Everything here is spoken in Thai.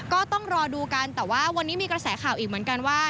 ก็ต้องรอดูกันแต่ว่าวันนี้มีกระแสข่าวอีกเหมือนกันว่า